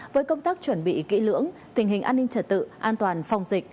với công tác chuẩn bị kỹ lưỡng tình hình an ninh trật tự an toàn phòng dịch